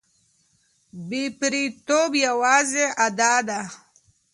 بې پرېتوب یوازې ادعا ده.